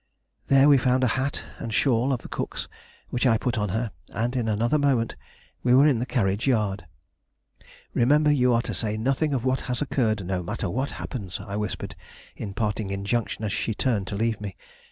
There we found a hat and shawl of the cook's which I put on her, and in another moment we were in the carriage yard. "Remember, you are to say nothing of what has occurred, no matter what happens," I whispered in parting injunction as she turned to leave me.